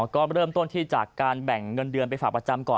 ก็เริ่มต้นที่จากการแบ่งเงินเดือนไปฝากประจำก่อน